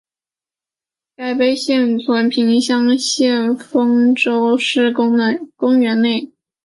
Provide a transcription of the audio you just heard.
该碑现存平乡县丰州镇平安公园内。